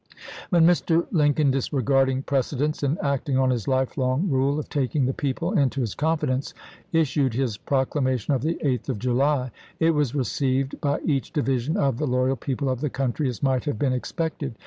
When Mr. Lincoln, disregarding precedents, and acting on his lifelong rule of taking the people into his confidence, issued his proclamation of the 8th of July, it was received by each division of the loyal people of the country as might have been expected.